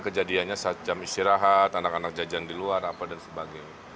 kejadiannya saat jam istirahat anak anak jajan di luar apa dan sebagainya